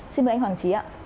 xin mời anh hoàng trí ạ